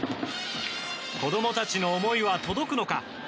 子供たちの思いは届くのか。